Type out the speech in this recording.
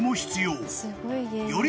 ［より